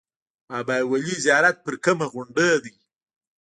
بابای ولي زیارت په کومه غونډۍ دی؟